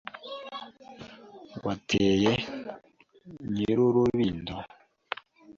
Wateye Nyir' urubindo